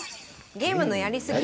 「ゲームのやりすぎ」。